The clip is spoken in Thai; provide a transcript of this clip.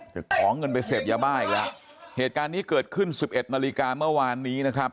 จะขอเงินไปเสพยาบ้าอีกแล้วเหตุการณ์นี้เกิดขึ้นสิบเอ็ดนาฬิกาเมื่อวานนี้นะครับ